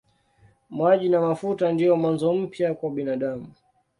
Maji na mafuta ndiyo mwanzo mpya kwa binadamu.